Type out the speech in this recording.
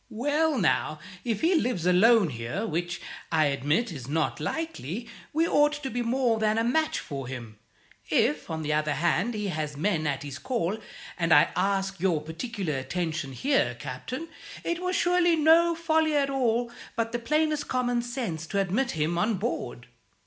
Well, now, if he lives alone here which, I admit, is not likely we ought to be more than a match for him. If, on the other hand, he has men at his call and I ask your particular attention here, Captain it was surely no folly at all, but the plainest common sense, to admit him on board.